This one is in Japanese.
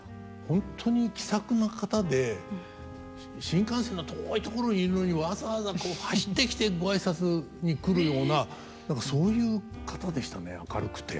本当に気さくな方で新幹線の遠い所にいるのにわざわざ走ってきてご挨拶に来るような何かそういう方でしたね明るくて。